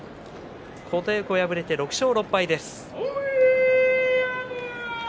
琴恵光は敗れて６勝６敗です。